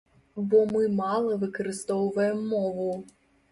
Бо мы мала выкарыстоўваем мову.